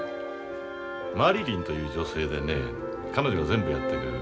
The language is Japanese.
マリリンという女性でね彼女が全部やってくれる。